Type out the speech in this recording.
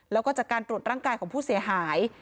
แล้วก็จากการตรวจร่างกายของผู้เสียหาย